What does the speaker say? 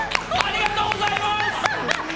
おめでとうございます！